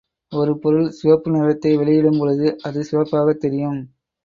ஒரு பொருள் சிவப்பு நிறத்தை வெளியிடும் பொழுது அது சிவப்பாகத் தெரியும்.